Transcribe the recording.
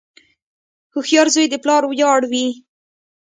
• هوښیار زوی د پلار ویاړ وي.